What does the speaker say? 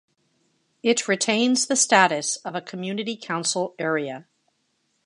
It retains the status of a community council area.